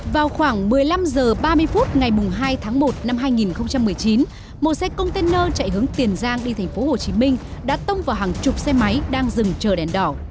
vào khoảng một mươi năm h ba mươi phút ngày hai tháng một năm hai nghìn một mươi chín một xe container chạy hướng tiền giang đi thành phố hồ chí minh đã tông vào hàng chục xe máy đang dừng chờ đèn đỏ